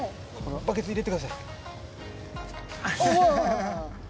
バケツに入れてください。